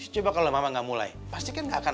coba kalau mama gak mulai pasti kan gak akan